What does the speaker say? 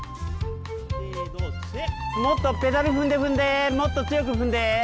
もっとペダル踏んで踏んでもっと強く踏んで。